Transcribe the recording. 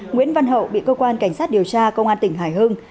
nguyễn văn hậu bị cơ quan cảnh sát điều tra công an tỉnh hải hưng